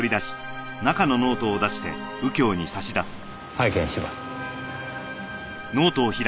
拝見します。